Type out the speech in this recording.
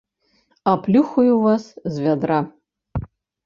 Аплюхаю вас з вядра.